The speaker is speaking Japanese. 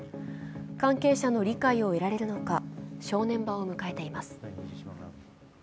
関係者の理解をえられるのか、正念場を迎えています。